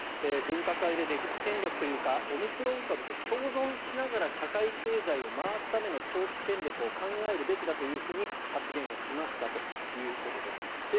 分科会で出口戦略というかオミクロン株と共存しながら社会経済を回すための長期戦略を考えるべきだと発言をしましたということです。